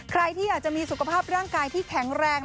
ใครที่อยากจะมีสุขภาพร่างกายที่แข็งแรง